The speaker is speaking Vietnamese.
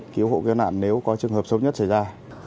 cứu hộ kêu nạn nếu có trường hợp sốt nhất xảy ra